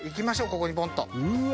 ここにボンと。